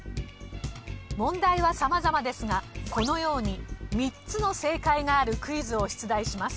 問題は様々ですがこのように３つの正解があるクイズを出題します。